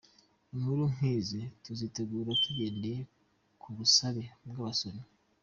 Inkuru nkizi tuzitegura tugendeye kubusabe bw’abasomyi.